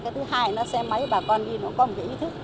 cái thứ hai nó xe máy bà con đi nó có một cái ý thức